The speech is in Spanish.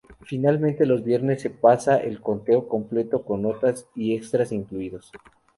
Finalmente, los viernes se pasa el conteo completo, con notas y extras incluidos.